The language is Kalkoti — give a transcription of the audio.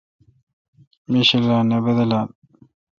می شی بدلال ۔